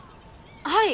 はい。